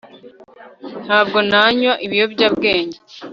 ntabwo nanywa ibiyobyabwenge